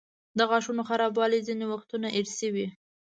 د غاښونو خرابوالی ځینې وختونه ارثي وي.